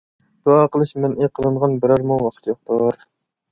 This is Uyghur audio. دۇئا قىلىش مەنئى قىلىنغان بېرەرمۇ ۋاقىت يوقتۇر.